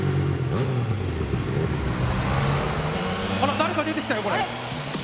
誰か出てきたよ。